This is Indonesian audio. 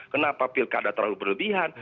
kenapa pilkada terlalu berlebihan